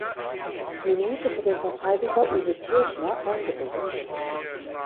Minute für den Verteidiger Uwe Kirchner eingewechselt.